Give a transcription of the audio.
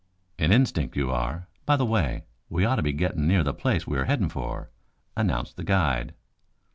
"In instinct you are. By the way, we ought to be getting near the place we're heading for," announced the guide.